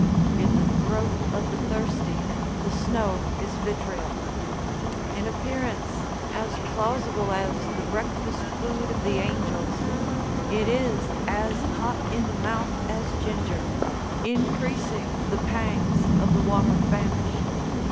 In the throat of the thirsty the snow is vitriol. In appearance as plausible as the breakfast food of the angels, it is as hot in the mouth as ginger, increasing the pangs of the water famished.